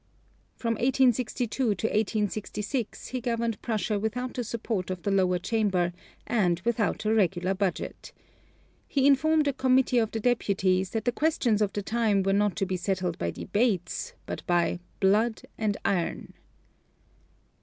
From 1862 to 1866 he governed Prussia without the support of the lower chamber and without a regular budget. He informed a committee of the Deputies that the questions of the time were not to be settled by debates, but by "blood and iron."